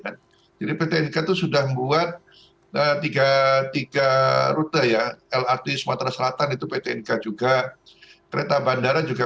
kan jadi pt inka itu sudah membuat tiga tiga rute ya lrt sumatera selatan itu pt inka juga kereta bandara juga